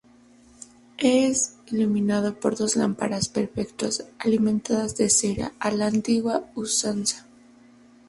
Es iluminado por dos lámparas perpetuas alimentadas de cera, a la antigua usanza.